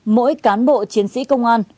mỗi cán bộ chiến sĩ công an